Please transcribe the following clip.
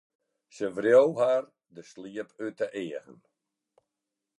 Sy wreau har de sliep út de eagen.